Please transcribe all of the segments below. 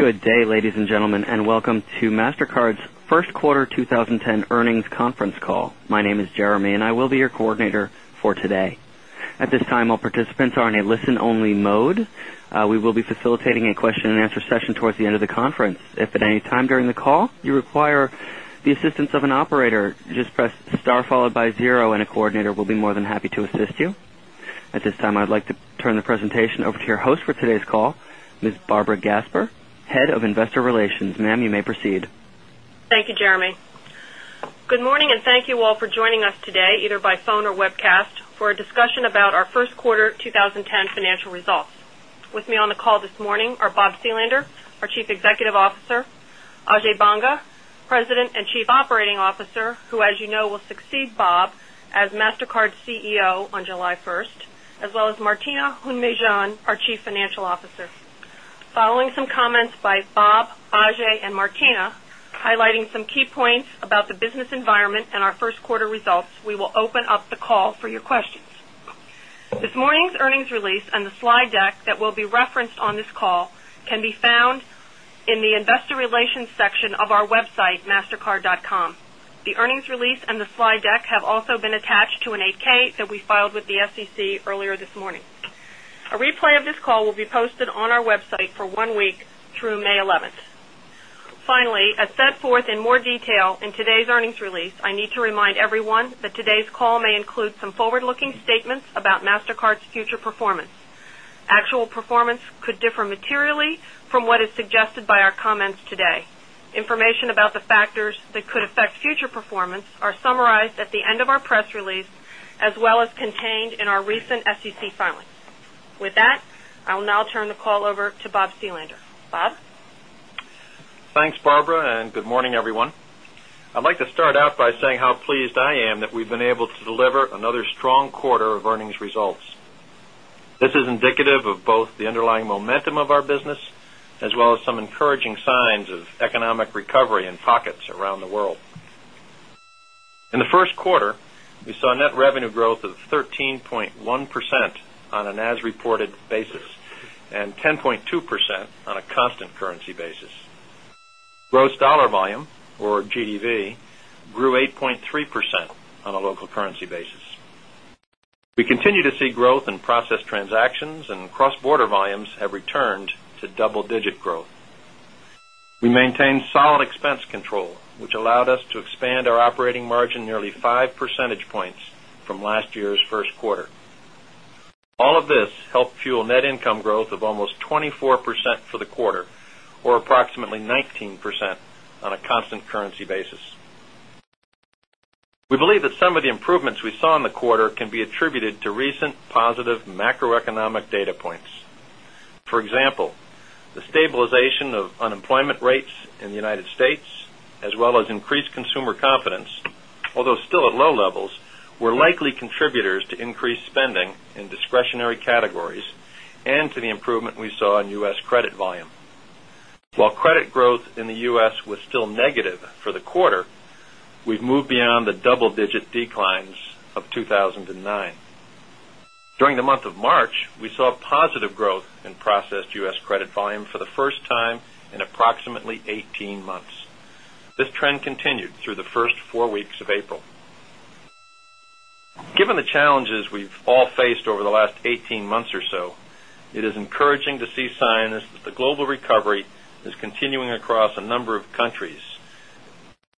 Good day, ladies and gentlemen, and welcome to Mastercard's First Quarter 20 10 Earnings Conference Call. My name is and I will be your coordinator for today. At this time, all participants are in a listen only mode. We will be facilitating a question and answer session towards the end of the conference. At this time, I'd like to turn the presentation over to your host for today's call, Ms. Barbara Gasper, Head of Investor Relations. Ma'am, you may proceed. Thank you, Jeremy. Good morning and thank you all for joining us today either by phone or webcast for a discussion about our Q1 With me on the call this morning are Bob Sealander, our Chief Executive Officer Ajay Banga, President and Chief Operating Officer, Officer, who as you know will succeed Bob as Mastercard's CEO on July 1 as well as Martina Hundejian, our Chief Financial Officer. Following some comments by Bob, Ajei and Martina, highlighting some key points about the business environment and our first quarter results, we will open up the call your questions. This morning's earnings release and the slide deck that will be referenced on this call can be found in the Investor Relations section of our website, mastercard.com. The earnings release and the slide deck have also been attached to an 8 ks that we filed with the SEC earlier this morning. Replay of this call will be posted on our website for 1 week through May 11. Finally, as set forth in more detail in today's earnings release, I need to remind everyone that Today's call may include some forward looking statements about Mastercard's future performance. Actual performance could differ materially from what is by our comments today. Information about the factors that could affect future performance are summarized at the end of our press release as well as contained in our recent SEC filings. With that, I will now turn the call over to Bob Seelander. Bob? Thanks, Barbara, and good morning, everyone. I'd like to start by saying how pleased I am that we've been able to deliver another strong quarter of earnings results. This is indicative of the underlying momentum of our business as well as some encouraging signs of economic recovery in pockets around the world. In the Q1, we saw net revenue growth of 13.1% on an as reported basis and 10.2% on a constant currency basis. Gross dollar volume or GDV grew 8.3% on a local currency basis. We continue to see growth in process transactions and cross border volumes have returned to double digit growth. We maintained solid expense control, which allowed us to expand our operating margin nearly 5 percentage points from last year's Q1. All of this helped fuel net income growth of almost 24% for the quarter or approximately 19% on a constant currency basis. We believe that some of the improvements we saw in the quarter can be attributed to recent positive macroeconomic data points. For example, the stabilization of unemployment rates in the United States as well as increased consumer confidence, although still at low levels were likely contributors to increased spending in discretionary categories and to the improvement we saw in U. S. Credit volume. While credit growth in the U. S. Was still negative for the quarter, we've moved beyond the double digit declines of 2,009. During the month of March, we saw positive growth in processed U. S. Credit volume for the first time in approximately 18 months. This trend continued through the 1st 4 weeks of April. Given the challenges we've all faced over the last 18 months or so, it is to see scientists that the global recovery is continuing across a number of countries,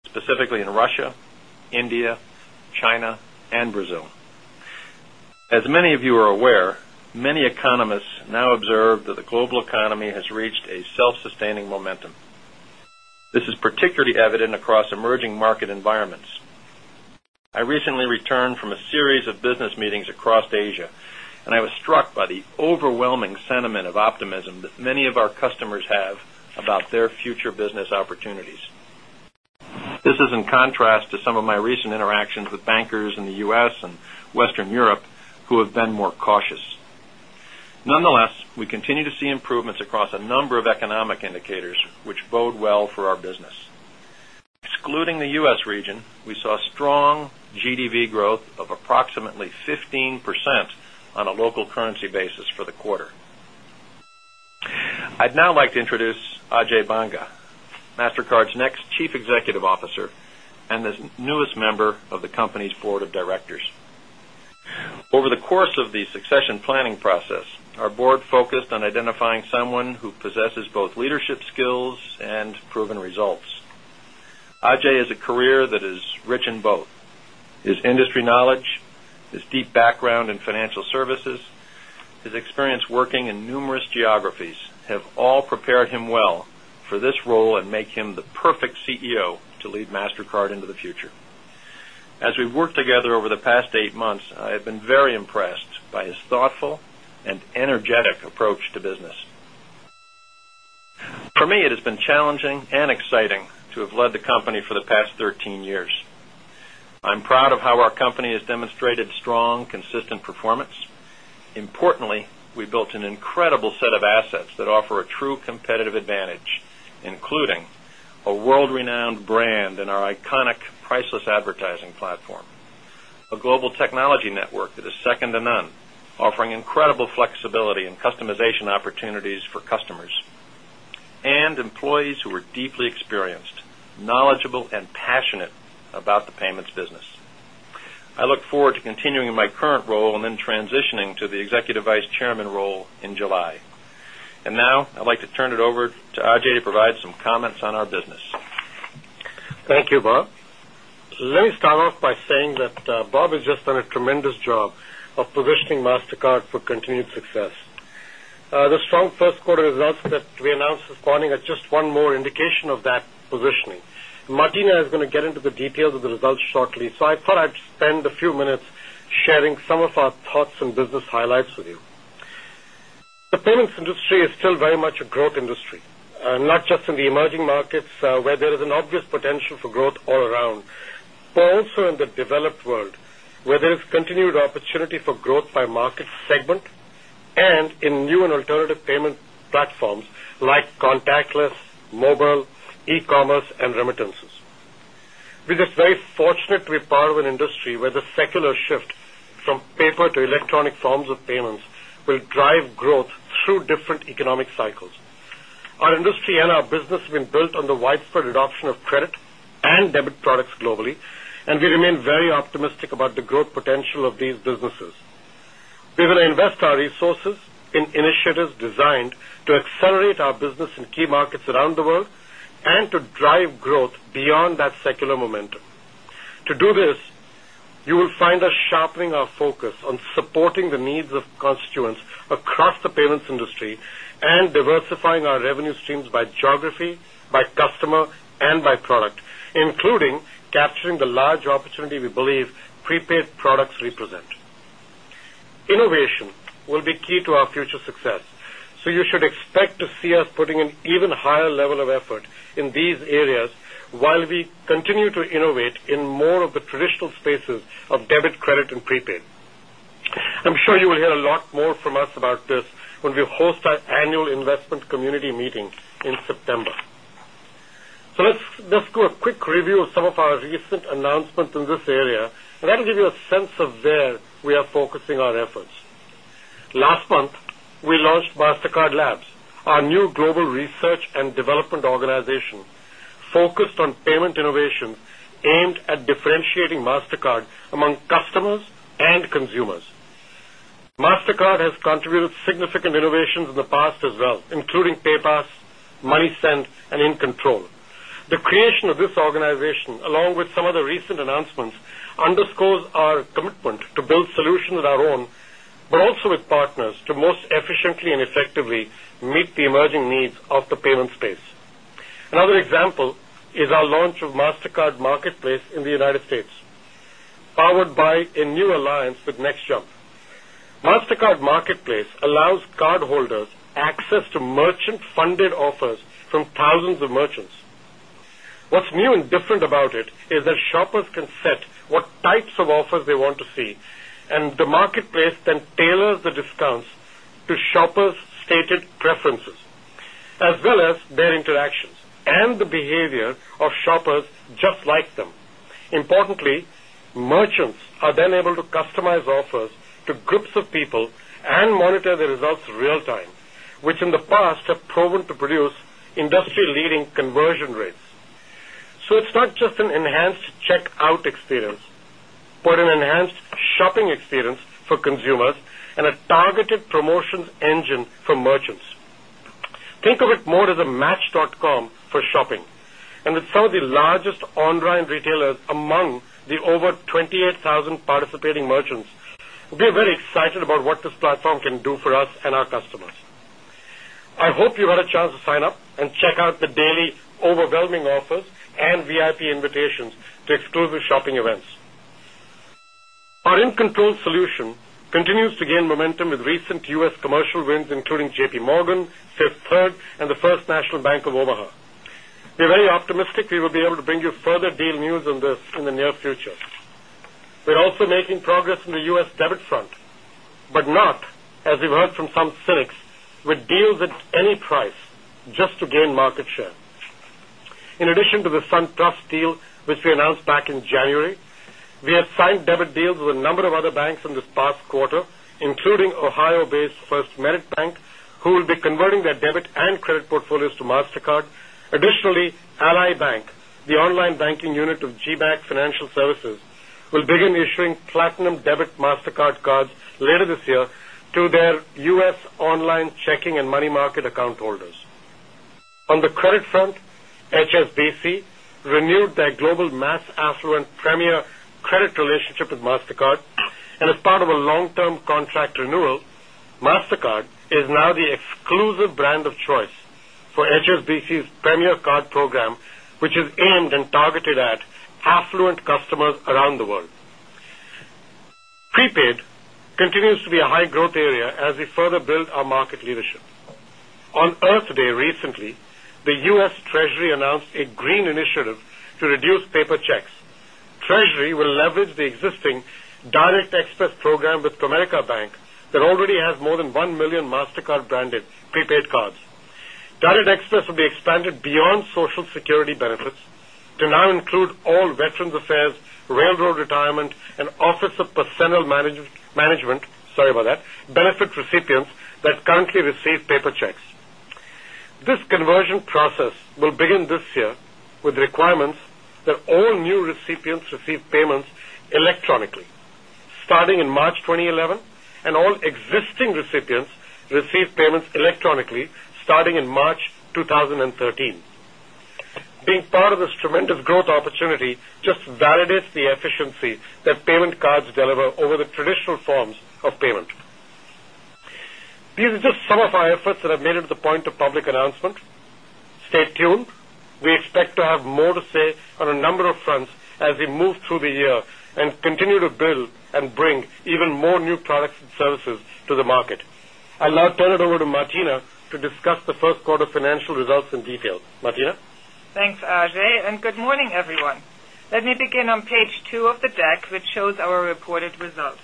specifically in Russia, has reached a self sustaining momentum. This is particularly evident across emerging market environments. I recently returned from a series of business meetings across Asia and I was struck by the overwhelming sentiment of optimism that many of our customers about their future business opportunities. This is in contrast to some of my recent interactions with bankers in the U. S. And Western Europe who have been more cautious. Nonetheless, we continue to see improvements across a number of economic indicators, which bode well for our business. Excluding the U. S. Region, we saw strong GDV growth of approximately 15% on a local currency basis for the quarter. I'd now like to introduce Ajay Banga, Mastercard's next Chief Executive Officer and of the company's Board of Directors. Over the course of the succession planning process, our Board focused on identifying someone who possesses his deep background in financial services, his experience working in numerous geographies have all prepared him well for this role and make him the perfect CEO to lead Mastercard into the future. As we work together over the For me, it has been challenging and exciting to have led the company for the past 13 years. I'm proud of how our company has demonstrated strong performance. Importantly, we built an incredible set of assets that offer a true competitive advantage, including a world renowned brand in our iconic priceless advertising platform, a global technology network that is second to none, offering incredible flexibility and about the payments business. I look forward to continuing my current role and then transitioning to the Executive Vice Chairman role in July. And now, I'd like to turn it over to Ajay to provide some comments on our business. Thank you, Bob. Let me start off by saying that Bob has just done a tremendous of that positioning. Martina is going to get into the details of the results shortly. So I thought I'd spend a few minutes sharing some of our thoughts Some business highlights with you. The payments industry is still very much a growth industry, not just in the emerging markets where there is an obvious potential for growth all around, but also in the developed world, where there is continued opportunity for growth by market segment and in new and alternative payment platforms like contactless, mobile, e commerce and remittances. We're just very economic cycles. Our industry and our business have been built on the widespread adoption of credit and debit products globally and we remain very optimistic about the growth potential of these businesses. We will invest our resources in initiatives designed to accelerate our business key markets around the world and to drive growth beyond that secular momentum. To do this, you will find by customer and by product, including capturing the large opportunity we believe prepaid products represent. Innovation will be key to our future success. So you should expect to see us putting an even higher level of effort in these areas, while we continue to innovate in more of the traditional spaces of debit, credit and prepaid. I'm sure will hear a lot more from us about this when we host our Annual Investment Community Meeting in September. So let's do a quick review of some of our recent announcement in this area and that will give you a sense of where we are focusing our efforts. Last month, we launched Mastercard Labs, our new global search and development organization focused on payment innovation aimed at differentiating Mastercard among customers and consumers. Mastercard has contributed significant innovations in the past as well, including Pay to build solutions on our own, but also with partners to most efficiently and effectively meet the emerging needs of the payment space. Another example is our launch of Mastercard Marketplace in the United States, powered by a new alliance with NexJunk. Mastercard Marketplace place allows cardholders access to merchant funded offers from thousands of merchants. What's new and different about it is that shoppers can What types of offers they want to see and the marketplace then tailors the discounts to shoppers' stated preferences as well as their interactions and the behavior of shoppers just like them. Importantly, merchants are then able to customize consumers and a targeted promotions engine for merchants. Think of it more as a match.com for and with some of the largest online retailers among the over 28,000 participating merchants, We're very excited about what this platform can do for us and our customers. I hope you had a chance to sign up and check out the overwhelming offers and VIP invitations to exclusive shopping events. Our in control solution continues to momentum with recent U. S. Commercial wins including JPMorgan, 5th Third and the First National Bank of Omaha. We're very optimistic we will be able to bring you further deal news on this in the near future. We're also making progress in the U. S. Debit front, but not as we've heard from with deals at any price just to gain market share. In addition to the SunTrust deal, which we announced back January, we have signed debit deals with a number of other banks in this past quarter, including Ohio based First Merit who will be converting their debit and credit portfolios to Mastercard. Additionally, Ally Bank, the online banking unit of GBank Financial Services will issuing Platinum Debit Mastercard Cards later this year to their U. S. Online checking and money market account holders. On the credit front, HSBC renewed their global mass affluent premier credit relationship with Mastercard and as part of a long term contract renewal, Mastercard is now the exclusive brand of choice for HSBC's premier card program, which is aimed and targeted at affluent customers around the world. Prepaid continues to be a high growth area as we further build our market leadership. On Earth Day recently, the U. S. Treasury announced a green initiative to reduce paper checks. Treasury will leverage the Direct Express program with Promedica Bank that already has more than 1,000,000 Mastercard branded prepaid cards. Express will be expanded beyond social security benefits to now include all Veterans Affairs, Railroad Retirement and Office management, sorry about that, benefit recipients that currently receive paper checks. This conversion process will begin and all existing recipients receive payments electronically starting in March 2013. Being part of this tremendous growth opportunity just validates the efficiency that payment cards deliver over the traditional forms of payment. These are just some of our efforts that I've made at the point of public announcement. Stay tuned. We expect to have more to on a number of fronts as we move through the year and continue to build and bring even more new products and services to the market. I'll now turn it over to Martina to discuss the Q1 financial results in detail. Martina? Thanks, Ajay, and good morning, Let me begin on page 2 of the deck, which shows our reported results.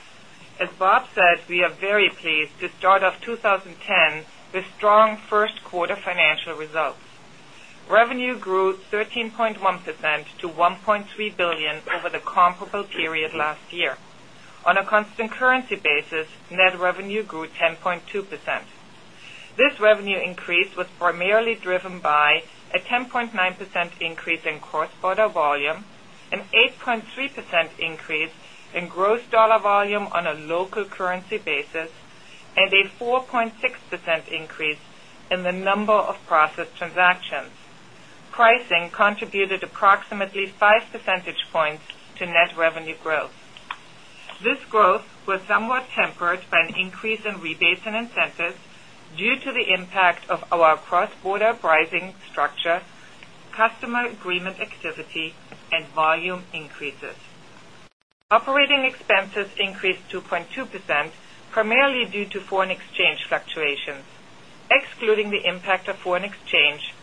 As Bob said, we are very pleased to of 2010 with strong first quarter financial results. Revenue grew 13.1 percent to 1.3 billion over the comparable period last year. On a constant currency basis, net revenue grew 10.2%. This revenue increase was primarily driven by a 10.9% increase in cross border volume, an 8.3% increase in gross dollar volume a local currency basis and a 4.6% increase in the number of process transactions. Pricing contributed approximately 5 percentage points to net revenue growth. This growth was somewhat tempered by in rebates and incentives due to the impact of our cross border pricing structure, customer agreement activity and volume increases. Operating expenses increased 2.2%, primarily due to foreign exchange fluctuations. Excluding the impact of foreign exchange,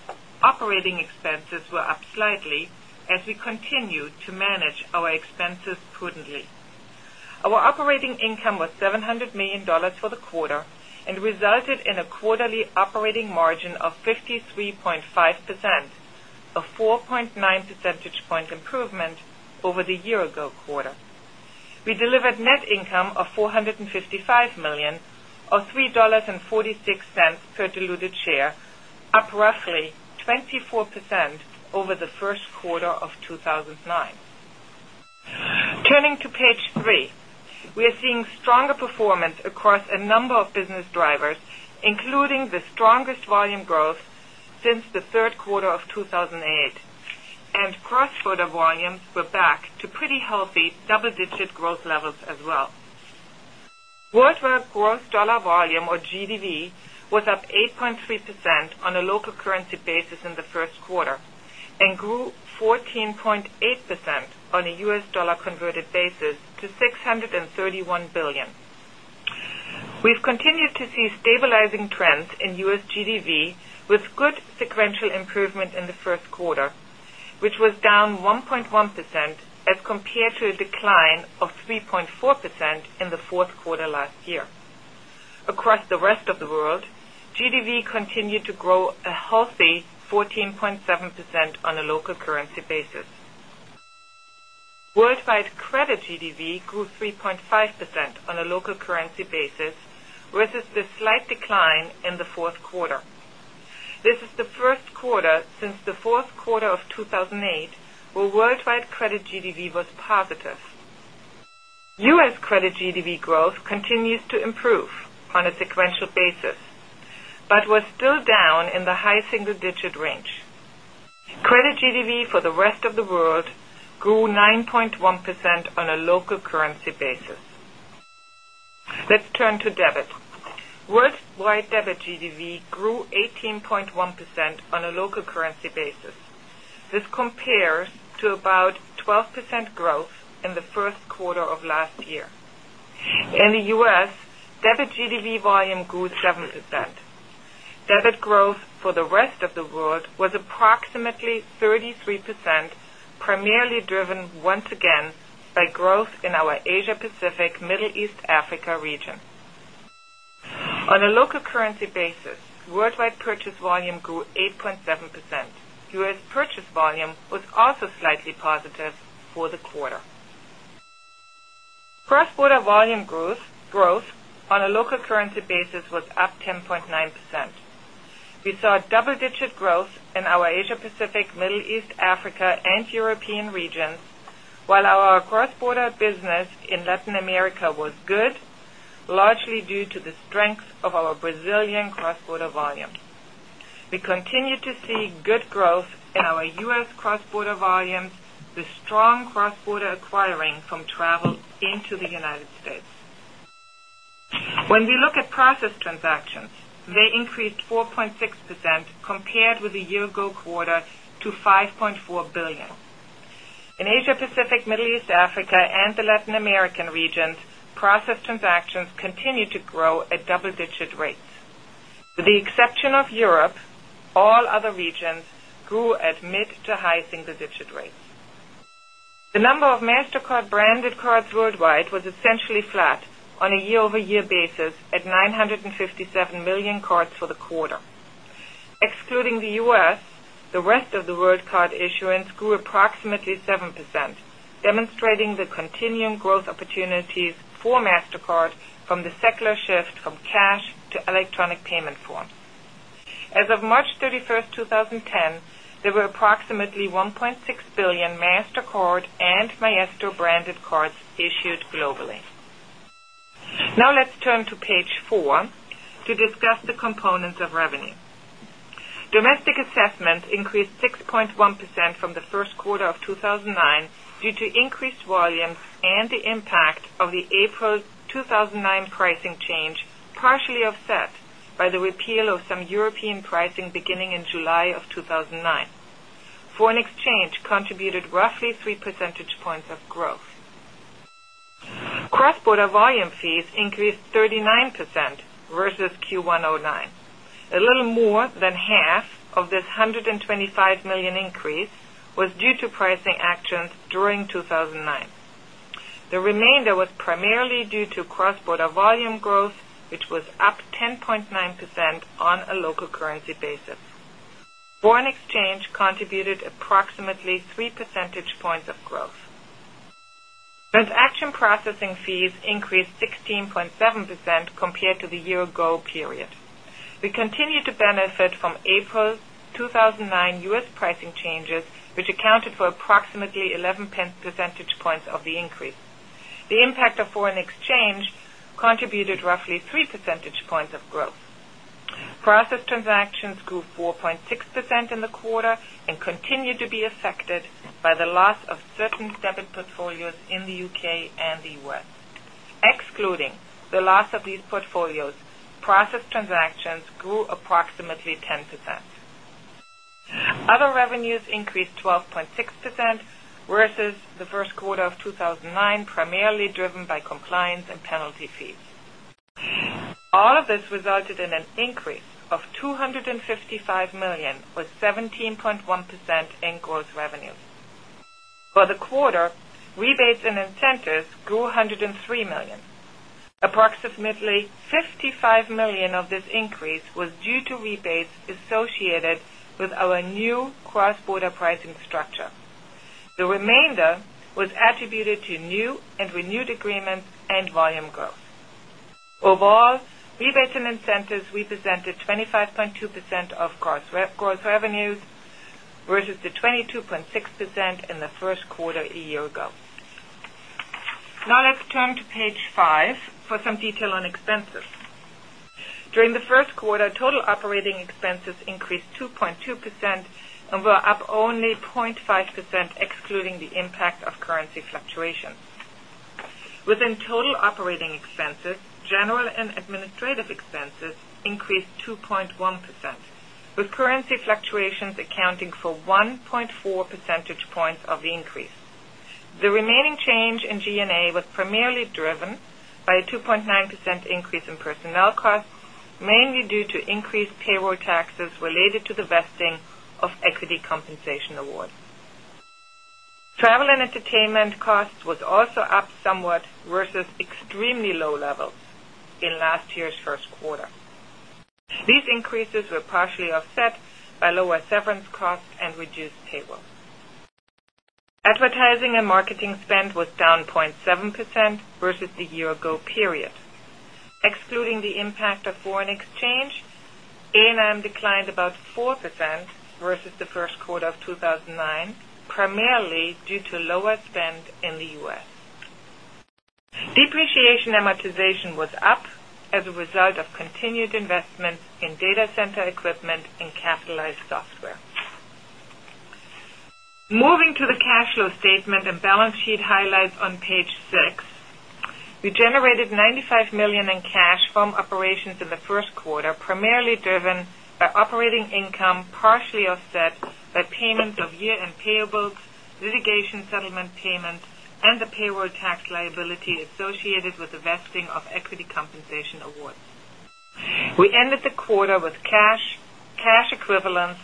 operating expenses were up slightly as we continue to manage our prudently. Our operating income was $700,000,000 for the quarter and resulted in a quarterly operating margin of 3.5%, a 4.9 percentage point improvement over the year ago quarter. We delivered net income of €455,000,000 or 3 point 46 dollars per diluted share, up roughly 24% over the Q1 of 2019. Turning to Page 3, we are seeing stronger performance across a number drivers including the strongest volume growth since the Q3 of 2008 and cross border volumes We're back to pretty healthy double digit growth levels as well. Worldwebgrossdollarvolume or DDV was up 8.3% on a local currency basis in the 1st quarter and grew 14 point 8% on a U. S. Dollar converted basis to €631,000,000,000 We've to see stabilizing trends in U. S. GDV with good sequential improvement in the Q1, which was down 1.1% as compared to a decline of 3.4% in the Q4 last year. Across the rest of the world, GDV continued to grow a healthy 14.7% on a local currency basis. Worldwide credit GDV grew 3.5 percent on a local currency basis versus the slight decline in the 4th This is the Q1 since the Q4 of 2008 where worldwide credit GDV was positive. U. S. Credit GDV growth continues to improve on a sequential basis, but was still down in the high single digit range. Credit GDV for the rest of the world grew 9.1% on a local currency basis. Let's turn to debit. Worldwide debit GDV grew 18.1% on a local currency basis. This compares to about 12% growth in the Q1 of last year. In the U. S, debit GDV volume grew 7%. Debit growth for the rest of the world was approximately 33% primarily driven once again growth in our Asia Pacific, Middle East Africa region. On a local currency basis, worldwide purchase volume grew 8 0.7%. U. S. Purchase volume was also slightly positive for the quarter. Gross border volume growth on a local currency basis was up 10.9%. We saw double digit growth in our Asia Pacific, Middle East, Africa and European regions, while our cross border business in Latin America was good, largely due to the strength of our Brazilian cross border volume. We continue to see good growth in our U. S. Cross border volumes, the strong cross border acquiring from travel into the United States. When we look Process transactions, they increased 4.6% compared with the year ago quarter to €5,400,000,000 In Asia Pacific, Middle East, Africa and the Latin American regions, process transactions continue to grow at double digit rates. With the exception of Europe, all other regions grew at mid to high single digit rates. The number of Mastercard branded cards worldwide was essentially flat on a year over year basis at 957,000,000 cards for the quarter. Excluding the U. S, the rest of the world card issuance grew approximately 7%, demonstrating the continuing growth for Mastercard from the secular shift from cash to electronic payment forms. As of March 31, 2010, there were approximately 1,600,000,000 Mastercard and Maestro branded cards issued globally. Now let's turn to Page 4 the components of revenue. Domestic assessment increased 6.1% from the Q1 of 2019 due to increased volumes and the impact of the April 2009 pricing change partially offset by the repeal of some European pricing beginning in of 2009. Foreign exchange contributed roughly 3 percentage points of growth. Cross border volume fees increased 39% versus Q1 'nine, a little more than half of this 125,000,000 increase was due to pricing actions during 2,009. The remainder was primarily due to cross border volume which was up 10.9% on a local currency basis. 3 percentage points of growth. Transaction processing fees increased 16.7% compared to the year ago period. We continue to benefit from April 2009 U. S. Pricing changes, which accounted for approximately 0.11 percentage points of the increase. The impact of foreign exchange contributed roughly 3 percentage points of growth. Process transactions grew 4.6% in the quarter and continued to be affected by the loss of certain debit portfolios in the UK and the U. S. Excluding the loss of these portfolios, process transactions grew approximately 10%. Other revenues increased 12.6% versus the Q1 of 2019, primarily driven by compliance and penalty fees. All of this resulted in an increase of €255,000,000 or 17.1 percent in gross revenue. For the quarter, rebates and incentives grew 103,000,000. Approximately 55 million of this increase was due to rebates associated with our new cross border pricing structure. The remainder was attributed to new and renewed agreements and volume growth. Overall, rebates and Incentives, we presented 25.2 percent of course, gross revenues versus the 22.6% in the Q1 a year ago. Now let's turn to page 5 for some detail on expenses. During the Q1, total operating expenses 2.2% and were up only 0.5% excluding the impact of currency fluctuations. Within total operating expenses, general and administrative expenses increased 2.1% with currency fluctuations accounting for 1 point 4 percentage points of the increase. The remaining change in G and A was primarily driven by a 2.9 increase in personnel costs, mainly due to increased payroll taxes related to the vesting of equity compensation awards. Travel and entertainment costs was also up somewhat versus extremely low levels in last year's Q1. These increases were partially offset by lower severance costs and reduced payroll. Advertising and marketing spend was down 0.7% versus the year ago period. Excluding the impact of foreign exchange, ENM declined about 4% versus the Q1 of 9, primarily due to lower spend in the U. S. Depreciation and amortization was up as result of continued investments in datacenter equipment and capitalized software. Moving to the cash flow statement and balance sheet highlights on Page 6. We generated $95,000,000 in the Q1 primarily driven by operating income partially offset by payments of year end payables, litigation settlement payments and the payroll tax liability associated with the vesting of equity compensation awards. We ended the quarter with cash, cash equivalents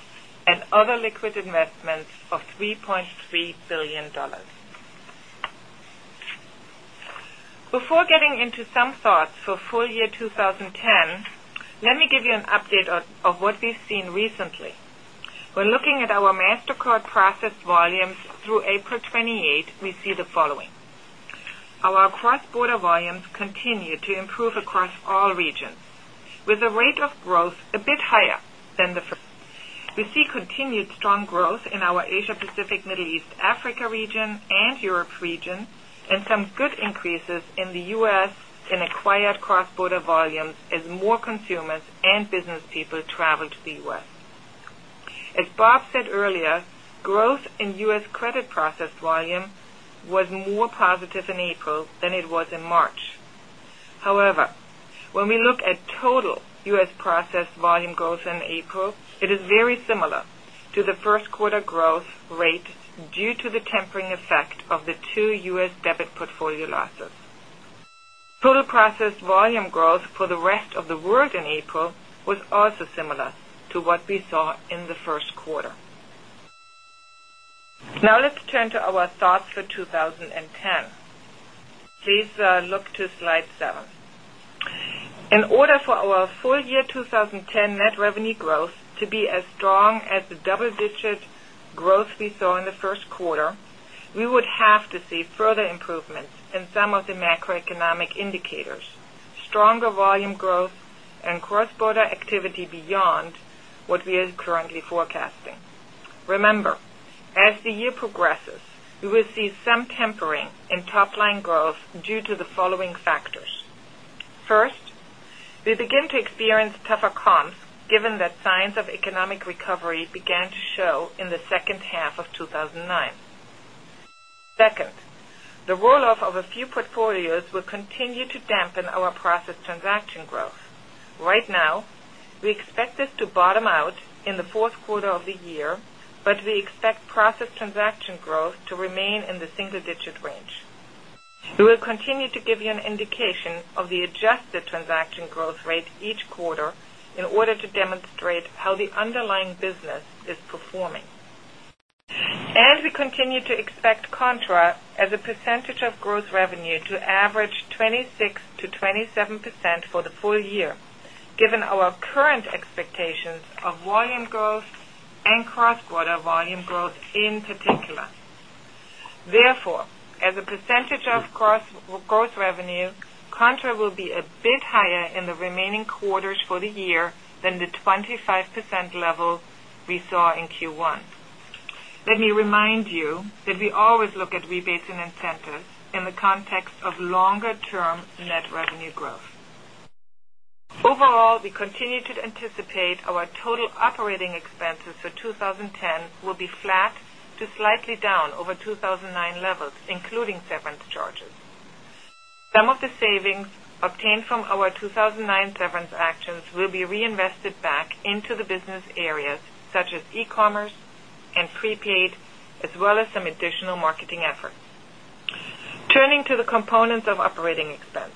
and other liquid investments of $3,300,000,000 Before getting into some thoughts For full year 2010, let me give you an update of what we've seen recently. When looking at our Mastercard process volumes through April higher than the first. We see continued strong growth in our Asia Pacific, Middle East, Africa region and Europe region and some good increases in the U. S. And acquired cross border volumes as more consumers and business people travel to the U. S. As Bob said earlier, growth in U. S. Credit process volume was more positive in April than it was in March. However, when we look at total U. S. Process volume growth in April, it is very similar to the Q1 growth rate due to the was also similar to what we saw in the Q1. Now let's turn our thoughts for 20 10. Please look to Slide 7. In order for our full year 20 10 net revenue growth to be as strong as the double digit growth we saw in the Q1, we would have to see further improvements in some of macroeconomic indicators, stronger volume growth and cross border activity beyond what we are currently forecasting. As the year progresses, we will see some tempering in top line growth due to the following factors. First, we begin to experience tougher comps given that signs of economic recovery began to show in the second half of two thousand and nine. 2nd, the roll off of a few portfolios will continue to dampen our process transaction growth. Right now, we expect this to bottom out in the Q4 of the year, but we expect process transaction growth to remain in the single digit range. We will continue to give you an indication of the adjusted transaction growth rate each quarter in order to demonstrate how the underlying business is performing. And we continue to expect contra as a percentage of gross revenue to average and cross quarter volume growth in particular. Therefore, as a percentage of gross revenue, contra will be a bit higher in the remaining quarters for the year than the 25% level we saw in Q1. Let me remind you that we look at rebates and incentives in the context of longer term net revenue growth. Overall, we continue to anticipate Our total operating expenses for 20.10 will be flat to slightly down over 2,009 levels including severance charges. Some of the savings obtained from our 2,009 severance actions will be reinvested back into the business areas such as e commerce and prepaid as well as some additional marketing efforts. Turning to the components of operating expense.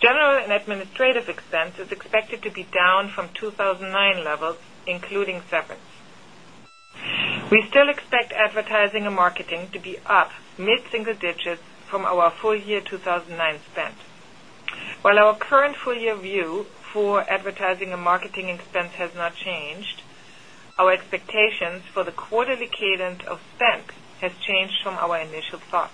General and administrative expense is expected to be down from 2,009 levels including severance. We still expect advertising and marketing to be up mid single digits from our full year 2019 spend. While our current full year view for advertising and marketing expense has not changed, our expectations for the quarter cadence of spend has changed from our initial thoughts.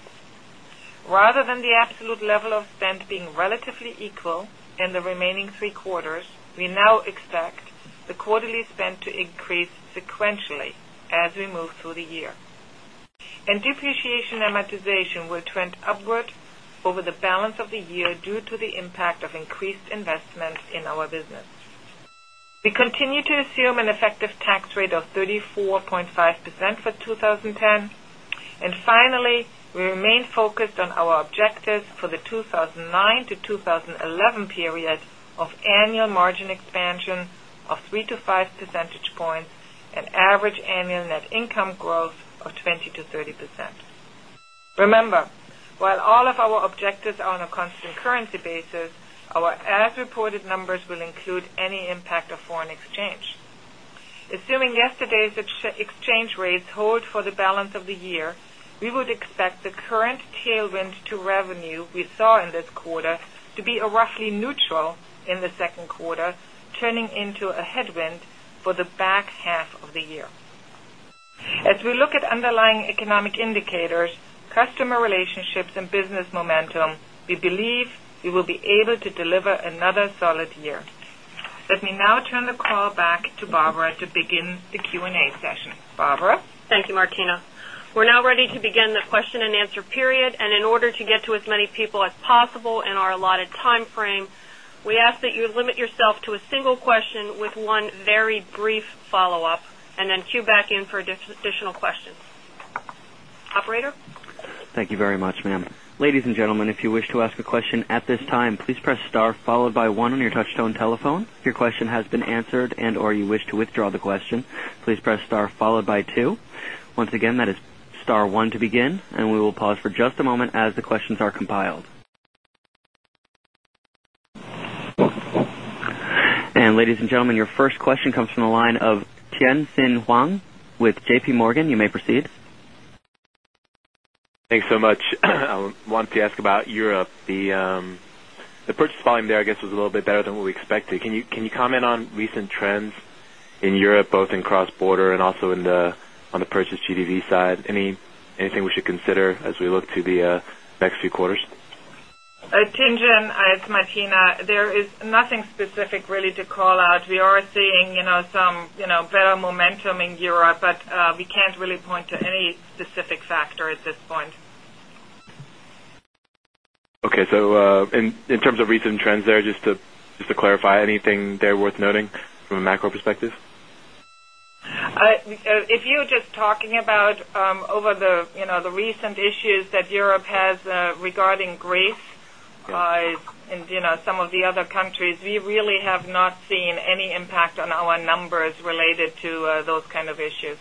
Rather than the absolute level of spend being relatively equal In the remaining three quarters, we now expect the quarterly spend to increase sequentially as we move through the year. And depreciation and amortization will trend upward over the balance of the year due to the impact of increased investments in our business. We continue to assume an effective tax rate of 34.5 percent for 20 10. And finally, we remain focused on our for the 2,009 to 2011 period of annual margin expansion of 3 percentage points and average annual net income growth of 20% to 30%. Remember, while all of our objectives are on a constant basis, our as reported numbers will include any impact of foreign exchange. Assuming yesterday's exchange rates hold for the balance of the year, we would expect the current tailwind to revenue we saw in this quarter to be a roughly neutral in the ships and business momentum, we believe we will be able to deliver another solid year. Let me now turn the back to Barbara to begin the Q and A session. Barbara? Thank you, Martina. We're now ready to begin the question and answer period. And in order to get to as many people as possible in our allotted time frame, we ask that you limit yourself to a single question with one very brief follow-up And ladies and gentlemen, your first question comes from the line of Tien tsin Huang with JPMorgan. You may proceed. Thanks so much. I wanted to ask about Europe. The purchase volume there, I guess, was a little bit better than we expected. You comment on recent trends in Europe, both in cross border and also in the on the purchase GDV side? Anything we should consider as we look to the next few quarters? Tien Tsin, it's Martina. There is nothing specific really to call out. We are Some better momentum in Europe, but we can't really point to any specific factor at this point. Okay. So in terms of recent trends there, just to clarify, anything there worth noting from a macro perspective? If you're just talking about over the recent issues that Europe has regarding Greece And some of the other countries, we really have not seen any impact on our numbers related to those kind of issues.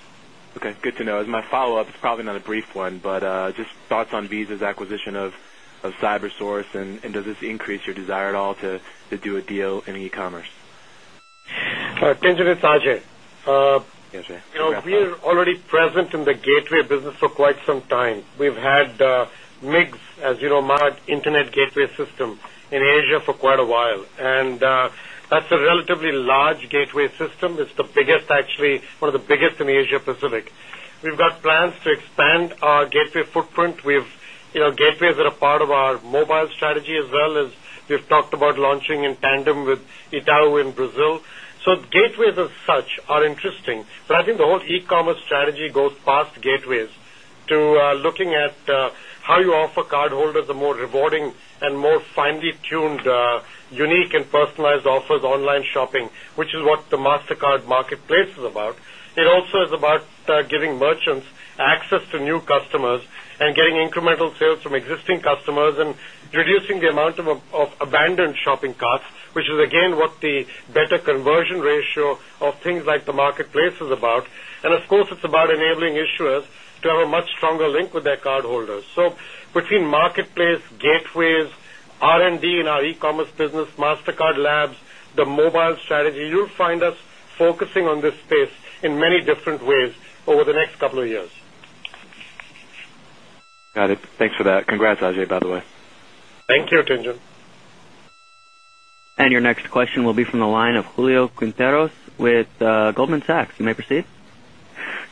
Okay, good to know. As my It's probably not a brief one, but just thoughts on Visa's acquisition of CyberSource and does this increase your desire at all to do a deal in e commerce? Tien Tsin, it's Ajay. We are already present in the gateway business for quite some time. We've had MIGS, as you know, gateway system in Asia for quite a while and that's a relatively large gateway system. It's the biggest actually, one of the biggest in Asia Pacific. We've got plans to expand our gateway footprint. We've gateways that are part of our mobile strategy as well as we've talked about launching in tandem with Itau in Brazil. So gateways as such are interesting. So I think the whole e commerce strategy goes personalized offers, online shopping, which is what the Mastercard marketplace is about. It also is about giving merchants access to new customers and getting incremental sales from existing customers and reducing the amount of abandoned shopping carts, which is again what the better Inversion ratio of things like the marketplace is about and of course, it's about enabling issuers to have a much stronger link with their card So between marketplace, gateways, R and D in our e commerce business, Mastercard Labs, the mobile strategy, you'll find us focusing on this on this space in many different ways over the next couple of years. Got it. Thanks for that. Congrats, Ajay, by the way. Thank you, And your next question will be from the line of Julio Quinteros with Goldman Sachs.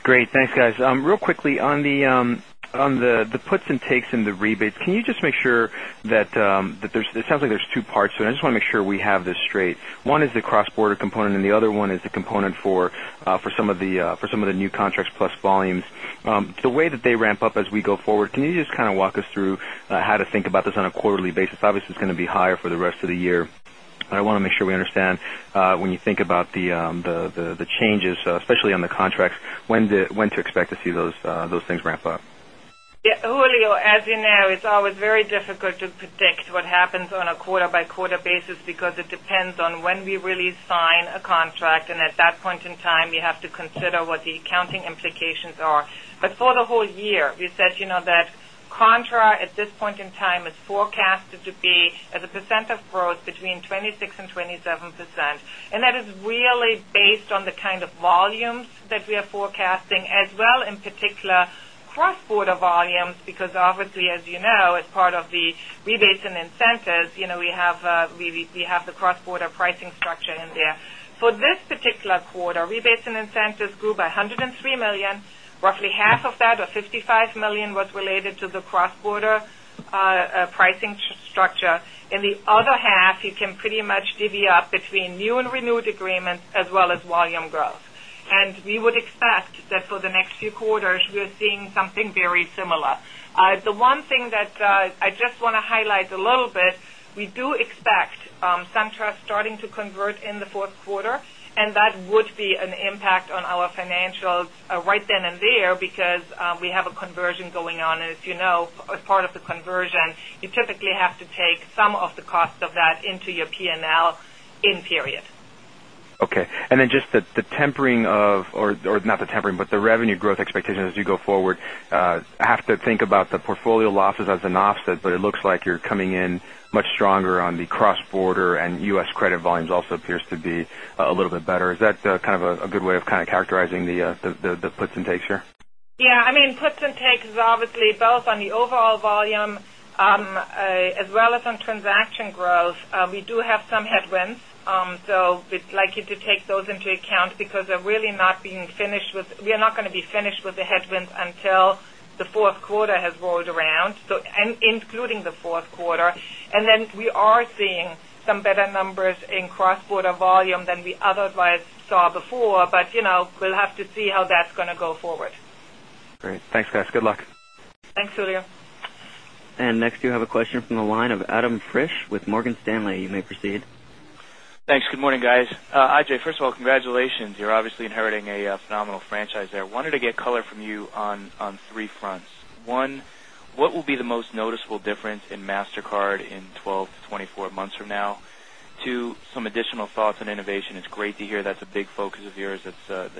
Real quickly on the puts and takes in the rebates, can you just make sure that there's it sounds like there's 2 parts. So I just want to make sure One is the cross border component and the other one is the component for some of the new contracts plus volumes. The way that they ramp up as we go forward. Can you just kind of walk us through how to think about this on a quarterly basis? Obviously, it's going to be higher for the rest of the year. I want to make sure we understand when you think about The changes, especially on the contracts, when to expect to see those things ramp up? Yes. Julio, as you know, it's always very difficult to predict what on a quarter by quarter basis because it depends on when we really sign a contract and at that point in time, we have to consider what the accounting implications are. But for the whole year, we said that contra at this point in time is forecasted to be as a percent of growth between 6% 27%. And that is really based on the kind of volumes that we are forecasting as well in particular cross border volumes because Obviously, as you know, as part of the rebates and incentives, we have the cross border pricing structure in there. For this particular quarter. Rebates and incentives grew by €103,000,000 roughly half of that or €55,000,000 was related to the cross border pricing structure. In the other half, you can pretty much divvy up between new and renewed agreements as well as volume growth. And we would expect that for the next few quarters, As you know, as part of the conversion, you typically have to take some of the cost of that into your P and L in period. Okay. And then just the tempering of or not the tempering, but the revenue growth expectations as you go forward, have to think about the portfolio loss an offset, but it looks like you're coming in much stronger on the cross border and U. S. Credit volumes also appears to be a little bit better. Is that kind of a good way kind of characterizing the puts and takes here? Yes. I mean, puts and takes is obviously both on the overall volume as well us on transaction growth, we do have some headwinds. So we'd like you to take those into account because they're really not being finished with we are not going to be finished with the headwinds until the Q4 has rolled around, so and including the Q4. And then we are seeing some better numbers in cross border volume than we otherwise saw before, but we'll have to see how that's going to go forward. Great. Thanks guys. Good luck. Thanks, Julio. And next you have a question from the line of Adam Friesch with Morgan Stanley. You may proceed. Thanks. Good morning, guys. A. J, first well, congratulations. You're obviously inheriting a phenomenal franchise there. I wanted to get color from you on three fronts. 1, what will be the most Noticeable difference in Mastercard in 12 months to 24 months from now. 2, some additional thoughts on innovation. It's great to that's a big focus of yours. That's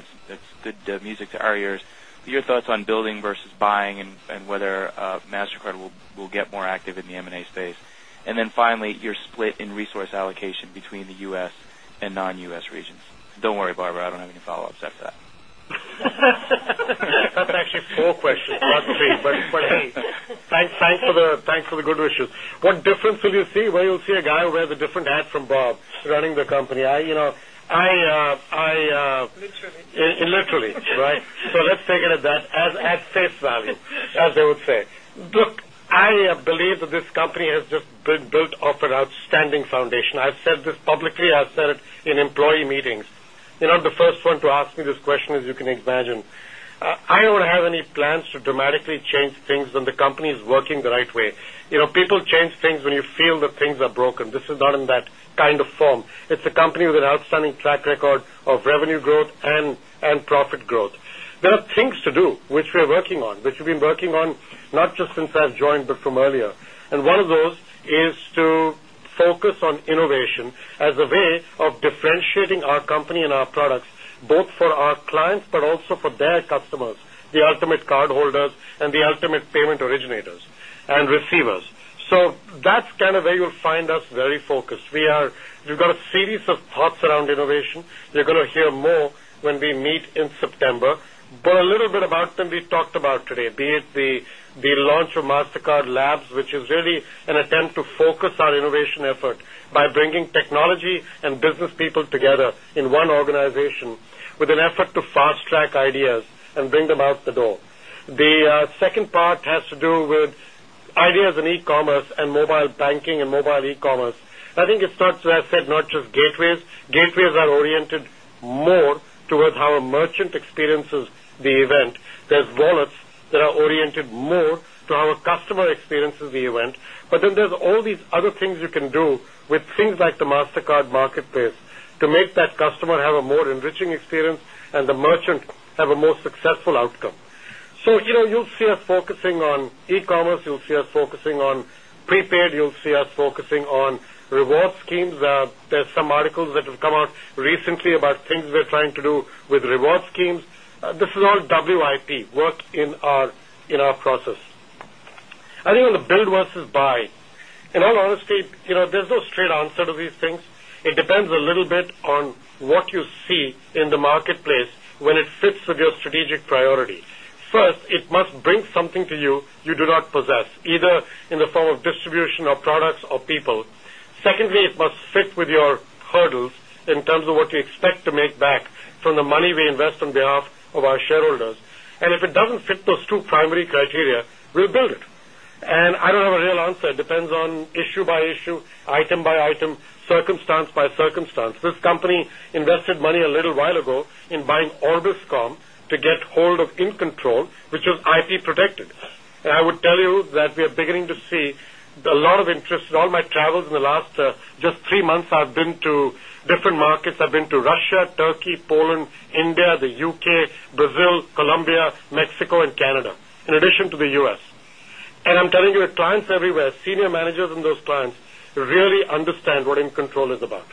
good music to our ears. Your thoughts on building versus buying and whether Mastercard will get more active in the M and A space. And then finally, your split in resource allocation between the U. S. And non U. S. Regions. Don't worry, Barbara, I don't have any follow ups after that. That's actually 4 questions, not 3. But hey, thanks for the good wishes. What difference will you see where you'll see a guy who wears a different hat from Bob running the company. I Literally. Literally, right. So let's take it at that As I say, Swamy, as they would say. Look, I believe that this company has just built off an outstanding foundation. I've said this I have said it in employee meetings. The first one to ask me this question is you can imagine. I don't have any plans to dramatically change things when the company is working the right way. People change things when you feel that things are broken. This is not in that kind of form. It's a company with an outstanding track record of revenue growth and profit growth. There are things to do, which we are working on, which we've been working on not just since joined but from earlier. And one of those is to focus on innovation as a way of differentiating our company and our products, both for our can be talked about today, be it the launch of Mastercard Labs, which is really an attempt to focus our innovation effort by bringing technology and business people together in one organization with an effort to fast track ideas and bring them out the door. The second gateways are oriented more towards how a merchant experiences the event. There's wallets that are oriented more to our customer experiences the event, but then there's all these other things you can do with things like the Mastercard marketplace to make that With reward schemes, this is all WIP, work in our process. I think on the build versus buy, in all There's no straight answer to these things. It depends a little bit on what you see in the marketplace when it fits with your strategic priority. 1st, it must bring something to you, you do not possess either in the form of distribution of products or people. It must fit with your hurdles in terms of what you expect to make back from the money we invest on behalf of our shareholders. And if doesn't fit those 2 primary criteria, we'll build it. And I don't have a real answer. It depends on issue by issue, item by item, circumstance by circumstance. This company invested money a little while ago in buying Orbiscom to get hold of InControl, which is IP And I would tell you that we are beginning to see a lot of interest in all my travels in the last just 3 months I've been to different markets. Been to Russia, Turkey, Poland, India, the UK, Brazil, Colombia, Mexico and Canada, in addition to the U. S. And I'm telling you Clients everywhere, senior managers and those clients really understand what InControl is about.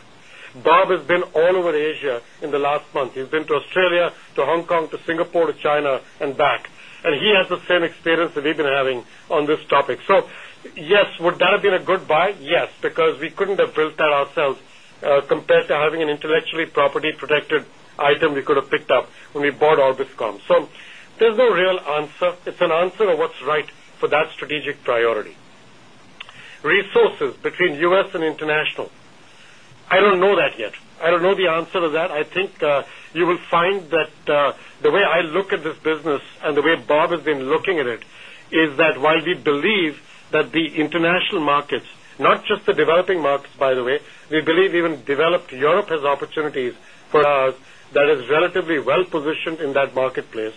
Bob has been all over Asia in the last month. He's been to Australia, to Hong Kong, to to China and back. And he has the same experience that we've been having on this topic. So yes, would that have been a good buy? Yes, because we couldn't ourselves compared to having an intellectually property protected item we could have picked up when we bought ORBISCOM. So there's no real answer. It's an answer of what's right for that strategic priority. Resources between U. S. And international, I don't know that yet. I don't know the answer I think you will find that the way I look at this business and the way Bob has been looking at it is While we believe that the international markets, not just the developing markets by the way, we believe even developed Europe has opportunities for us that is relatively well positioned in that marketplace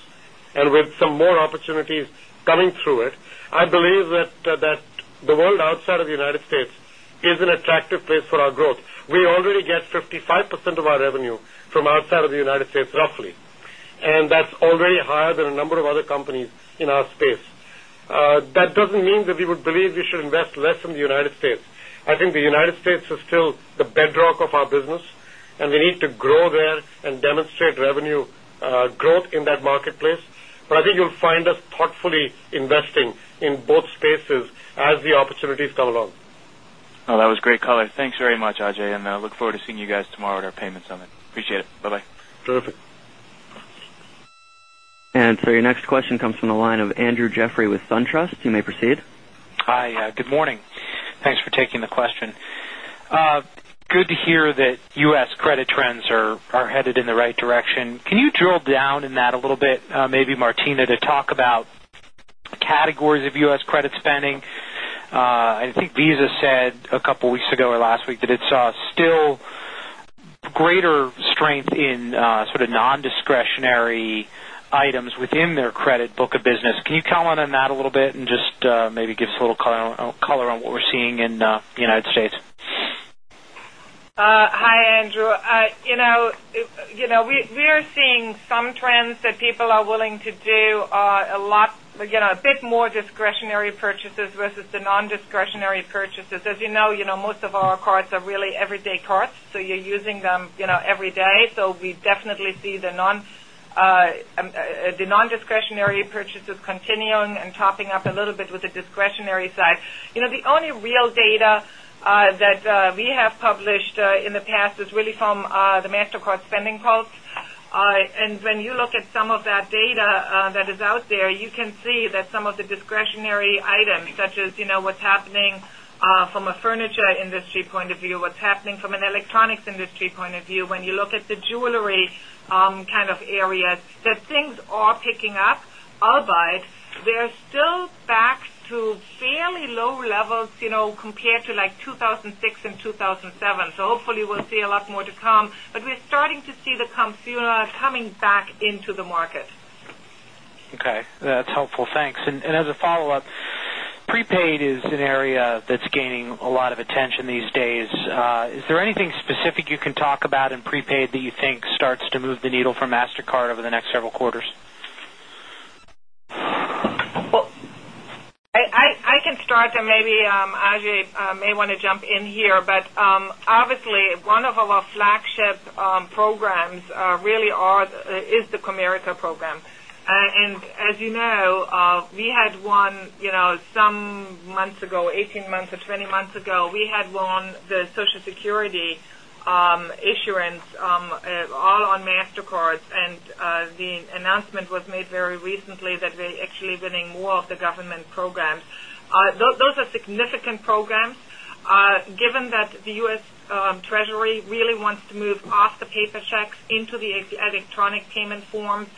and with some more opportunities coming through it, I believe that the world outside of the United States is an Active place for our growth. We already get 55% of our revenue from outside of the United States roughly and that's already higher than a of other companies in our space. That doesn't mean that we would believe we should invest less in the United States. I think the United States is still the of our business and we need to grow there and demonstrate revenue growth in that marketplace. But I think find us thoughtfully investing in both spaces as the opportunities come along. That was great color. Thanks very much, Ajay. And I look forward to seeing you guys tomorrow at our payment Appreciate it. Bye bye. Terrific. And so your next question comes from the line of Andrew Jeffrey with Credit trends are headed in the right direction. Can you drill down in that a little bit, maybe Martina to talk about categories of U. S. Credit spending? I think Visa said a couple of weeks ago or last week that it saw still greater strength in sort of non items within their credit book of business. Can you comment on that a little bit and just maybe give us a little color on what we're Hi, Andrew. We are seeing Some trends that people are willing to do a lot a bit more discretionary purchases versus the non discretionary purchases. As you Most of our cards are really everyday cards, so you're using them every day. So we definitely see the non repurchases continue and topping up a little bit with the discretionary side. The only real data that we have published in the past is really from The Mastercard spending pulse. And when you look at some of that data that is out there, you can see that some of the discretionary items such as what's happening from a furniture industry point of view, what's happening from an electronics industry point of view, when you look at the jewelry kind of areas that things are picking up, albeit they're still back to fairly low levels compared to like 2,000 and 2,007. So hopefully, we'll see a lot more to come, but we're starting to see the Kamsuna coming back into the market. Okay. That's helpful. Thanks. And as a follow-up, prepaid is an area that's gaining a lot of attention these days. Is there anything specific you can talk about in prepaid do you think starts to move the needle for Mastercard over the next several quarters? I can start and maybe Ajay may want to jump in here. But obviously, one of our flagship really are is the Comerica program. And as you know, we had one some months ago, 18 months 20 months ago, we had won the Social Security, issuance, all on Mastercard. The announcement was made very recently that they're actually winning more of the government programs. Those are significant programs. Given that the U. S. Treasury really wants to move off the paper checks into the electronic payment forms,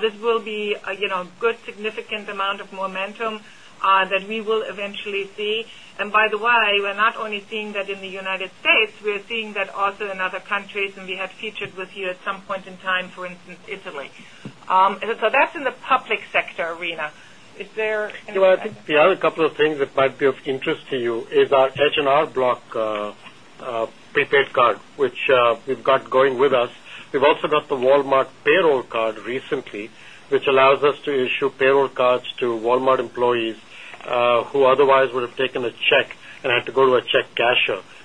this will be a good significant amount of momentum that we will eventually see. And by the way, we're not only seeing that in the United States, we're seeing that also in countries and we have featured with you at some point in time, for instance, Italy. So that's in the public sector arena. Is there anything The other couple of things that which allows us to issue payroll cards to Walmart employees, who otherwise would have taken a check and had to go to a check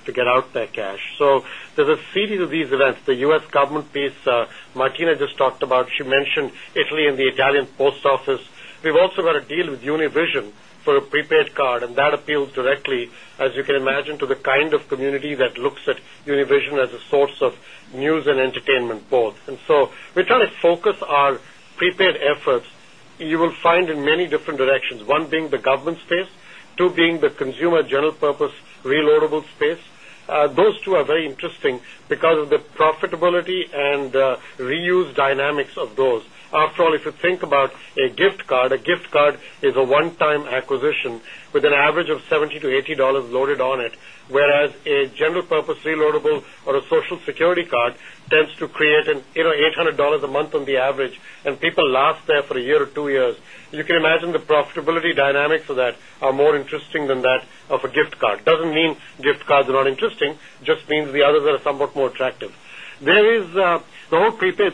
to get out that cash. So there's a series of these events, the U. S. Government piece Martina just talked about, she mentioned Italy and the Italian post office. We've also got a deal with Univision for a prepaid card and that appeals directly as you can imagine to the kind of community that looks at Univision as a source of news and entertainment both. And so we're trying to focus our prepared efforts, you because of the profitability and reuse dynamics of those. After all, if you think about a gift card, a Gift card is a one time acquisition with an average of $70 to $80 loaded on it, whereas a general purpose reloadable or a social security card tends to $800 a month on the average and people last there for a year or 2 years. You can imagine the profitability dynamics of that are more interesting than that of a gift card. Doesn't mean gift cards are not interesting, just means the others are somewhat more attractive. There is the whole space,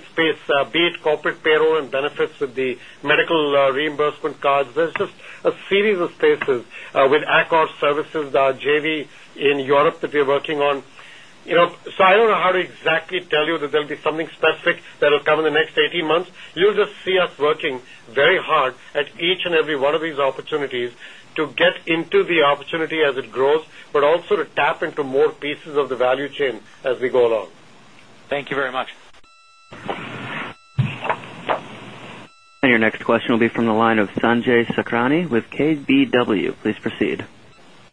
be it corporate payroll and benefits with the medical reimbursement cards, there's just a series of spaces with Accor Services, JV in Europe that we are working on, so I don't know how to exactly tell you that there'll be something specific that will come in the next 18 months. You'll just see us working very hard at each and every one of these opportunities to get into the opportunity as it grows, but also to tap to more pieces of the value chain as we go along. Thank you very much. And Your next question will be from the line of Sanjay Sakhrani with KBW. Please proceed.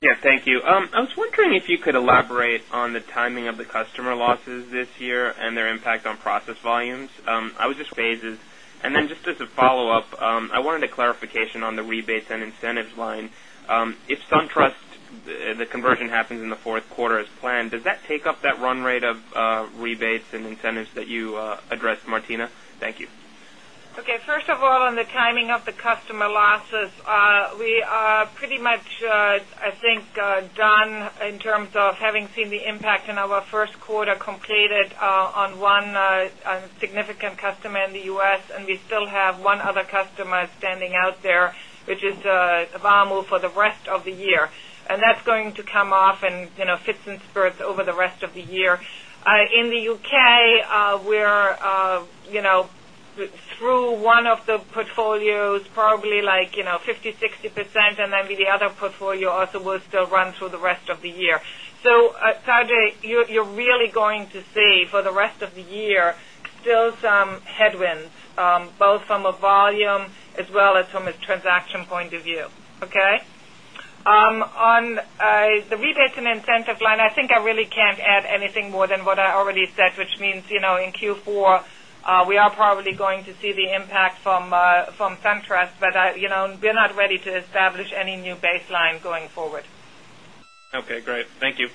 Yes, thank you. I was wondering if you could elaborate Great. On the timing of the customer losses this year and their impact on process volumes, I was just I wanted a clarification on the rebates and incentives line. If SunTrust, the conversion happens in the Q4 as planned, does that take up that run rate rebates and incentives that you addressed, Martina? Thank you. Okay. First of all, on the timing of the customer losses, we are pretty I think done in terms of having seen the impact in our Q1 completed on one significant customer in the U. S. And we still have one other customer standing out there, which is VAMU for the rest of the year. And that's going to come off in fits and spurts over the rest of the year. In the U. K, we're through one of the portfolios probably like 50%, 60% and then the other portfolio also will still run through the rest of the year. So, Sanjay, you're really going to see for the rest of the year still some headwinds, both from a I really can't add anything more than what I already said, which means in Q4, we are probably going to see the impact from SunTrust, but we're not ready to establish any new baseline going forward. Okay, great. Thank you.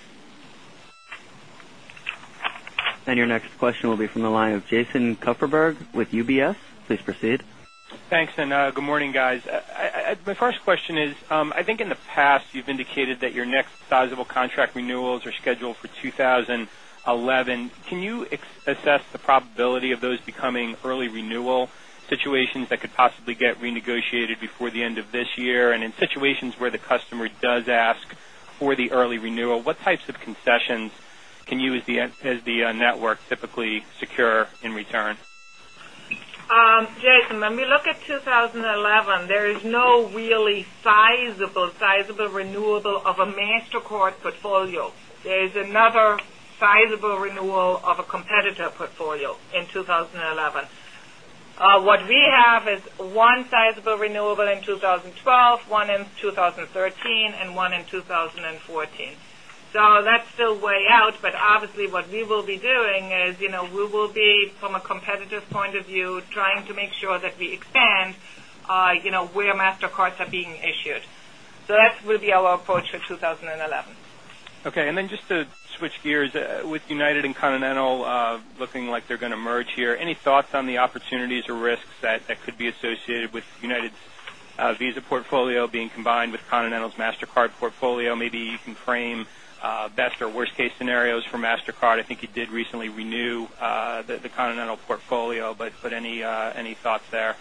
And your next question will be from the line of Jason Kupferberg with UBS. Please proceed. Thanks and good morning guys. My first question is, I think in the past you've indicated that your next sizable contract renewals are scheduled for 2011. Can you assess the probability of those becoming early renewal situations that could possibly get renegotiated before the end of this year? And in in return? Jason, when we look at 2011, there is no really sizable in 2011. What we have is 1 sizable renewable in 2012, 1 in 2013 and 1 in 2014. So that's still way out, but obviously what we will be doing is we will be from a competitive point of view, trying to make sure that we expand where Mastercards are being issued. So that will be our approach for 2011. Okay. And then just to switch gears with United and Continental looking like they're going to merge here. Any thoughts on the opportunities or worst case scenarios for Mastercard, I think you did recently renew the Continental portfolio, but any thoughts there?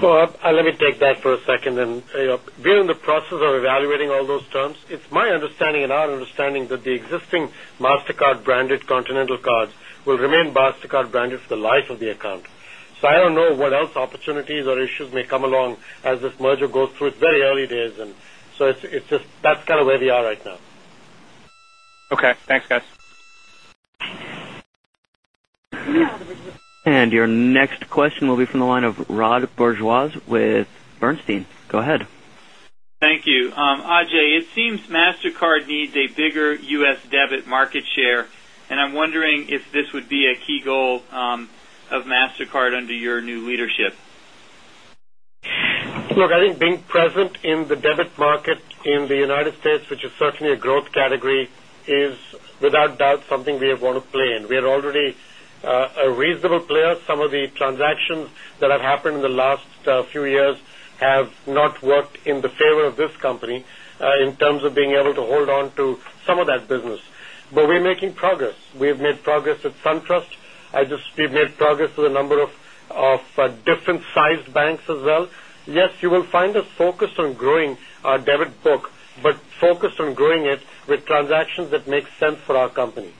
Well, let me take that for a second and we're in the process of evaluating all those terms. It's my understanding and our that the existing Mastercard branded Continental cards will remain Mastercard branded for the life of the account. So I don't know what else opportunities or issues may come along as this merger goes through. It's very early days and so it's just that's kind of where we are right now. Okay. Thanks guys. And your next question will be from the line of Rod Bourgeois with in the debit market in the United States, which is certainly a growth category is without doubt something we want to play in. We are already A reasonable player, some of the transactions that have happened in the last few years have not worked in the favor of this company in terms of being able to hold on some of that business, but we're making progress. We have made progress at SunTrust. I just we've made progress with a number of different sized banks Yes, you will find us focused on growing our debit book, but focused on growing it with transactions that sense for our company.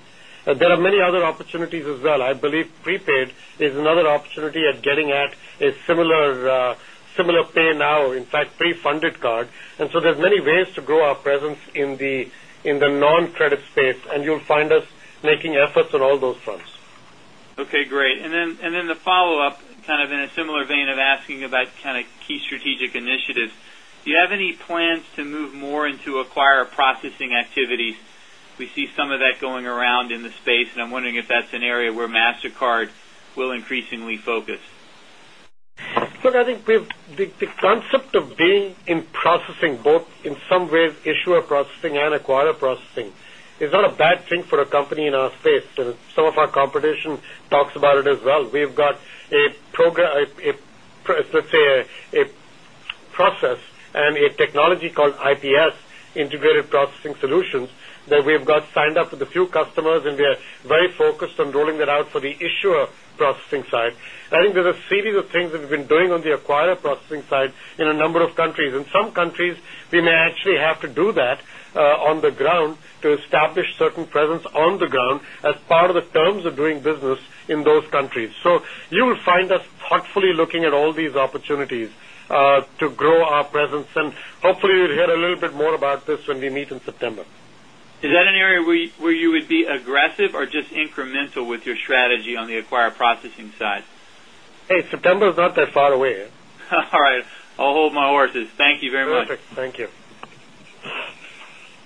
There are many other opportunities as well. I believe prepaid is another opportunity at getting at a similar pay now, in fact, funded card and so there's many ways to grow our presence in the non credit space and you'll find us making efforts on all those fronts. Okay, great. And then the follow-up kind of in a similar vein of asking about kind of key strategic initiatives. Do you have any plans to move more to acquire processing activities. We see some of that going around in the space and I'm wondering if that's an area where Mastercard will increase we focus? Look, I think the concept of being in processing both in some ways issuer processing and acquire processing is a bad thing for a company in our space. Some of our competition talks about it as well. We've got a program, let's say, process and a technology called IPS, integrated processing solutions that we've got signed up with a few customers and we are very focused on rolling that out the issuer processing side, I think there's a series of things that we've been doing on the acquire processing side in a number of countries. In some countries, We may actually have to do that on the ground to establish certain presence on the ground as part of the terms of doing business in those countries. You will find us thoughtfully looking at all these opportunities to grow our presence and hopefully you'll hear a little bit more about this when we meet September. Is that an area where you would be aggressive or just incremental with your strategy on the acquired processing side? Is not that far away. All right. I'll hold my horses. Thank you very much. Okay. Thank you.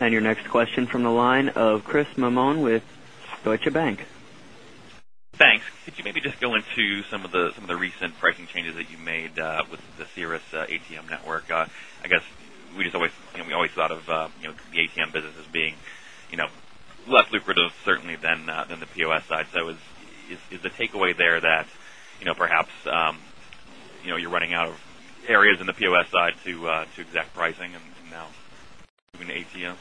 And your next question from the line of Chris Mamone with Deutsche Bank. Thanks. Could you maybe just go into some of the recent pricing changes that you made The Cirrus ATM network, I guess, we just always we always thought of the ATM business as being less lucrative certainly Than the POS side, so is the takeaway there that perhaps you're running out of areas In the POS side to exact pricing and now even ATM?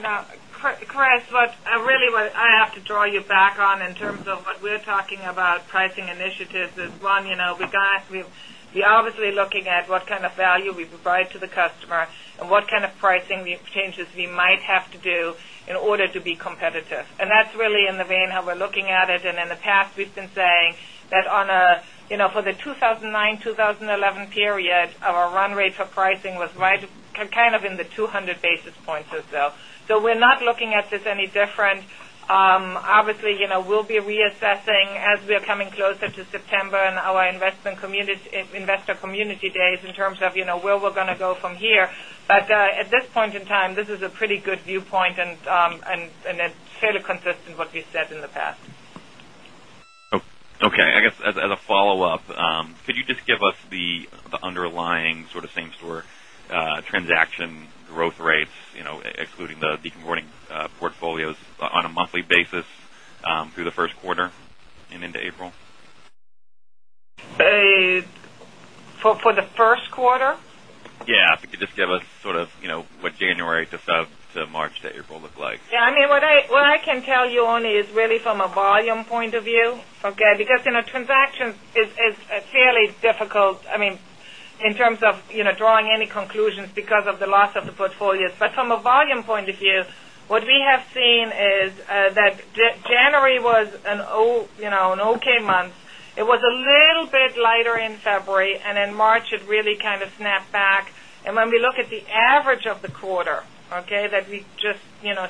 No, Chris, I have to draw you back on in terms of what we're talking about pricing initiatives is 1, we got we're obviously looking at what kind of value we provide to the customer and what kind of pricing changes we might have to do in order to be competitive. And that's really in the vein how we're looking at it. And in the past, We've been saying that on a for the 2,009, 2011 period, our run rate for pricing was right kind of in the 200 basis points or so. So we're not looking at this any different. Obviously, we'll be reassessing as we are coming closer to September our Investor Community Days in terms of where we're going to go from here. But at this point in time, this is a pretty good viewpoint and it's fairly consistent what we said in the past. Okay. I guess as a follow-up, could you just give The underlying sort of same store transaction growth rates excluding the deconverting portfolios on a monthly basis through the Q1 and into April? For the first quarter? Yes. If you could just give us sort of what January to Feb to March that year will look like? Yes. I mean what I can Tell you only is really from a volume point of view, okay? Because in a transaction, it's fairly difficult, I mean, in terms of drawing any conclusions, because of the loss of the portfolios. But from a volume point of view, what we have seen is that January was an okay month. It was a little bit lighter in February and in March, it really kind of snapped back. And when we look at the average of quarter, okay, that we just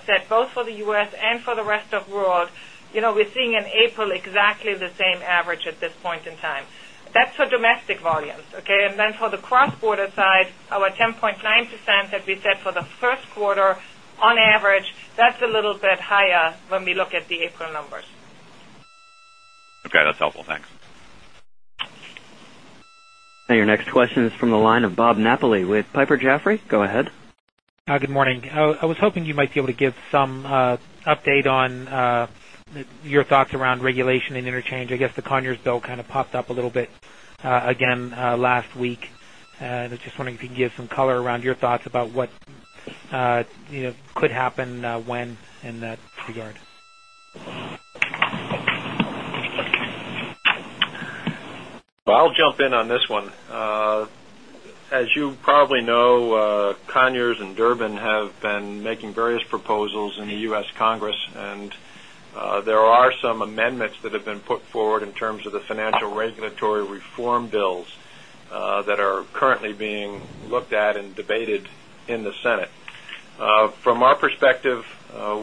said both for the U. S. And for the rest of world, we're seeing in April exactly the same at this point in time. That's for domestic volumes, okay? And then for the cross border side, our 10.9% that we said for the Q1 on average, that's a little bit higher when we look at the April numbers. Okay, that's helpful. Thanks. And your next question is from the line of Bob Napoli with Piper Jaffray. Go ahead. Good morning. I was hoping you might be able to give some update on Your thoughts around regulation and interchange, I guess the Conyers bill kind of popped up a little bit again last week. I was just wondering if you can give some color Your thoughts about what could happen when in that regard? I'll jump in on this one. As you probably know, Conyers and Durbin have been making various proposals in the US Congress and there are some amendments that have been put forward in terms of the perspective,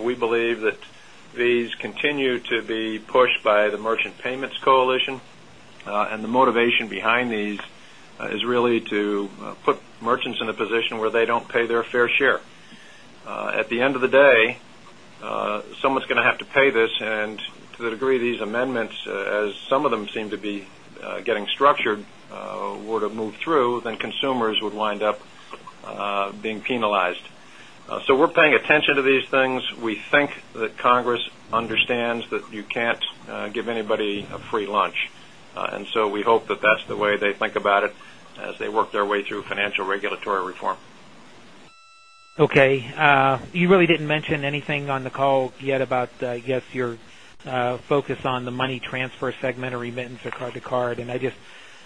we believe that these continue to be pushed by the merchant payments coalition and the Motivation behind these is really to put merchants in a position where they don't pay their fair share. At the end of the day, someone's stands that you can't give anybody a free lunch. And so we hope that that's the way they think about it as they work their way through financial regulatory reform. Okay. You really didn't mention anything on the call yet about, I guess, your focus on the Money Transfer segment or remittance or card to card. I just